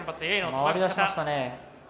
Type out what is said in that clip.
回りだしましたね。